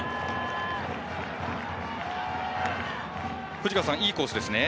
藤川さん、いいコースですね。